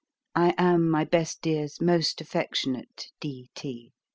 I am my best dear's most affectionate D.T.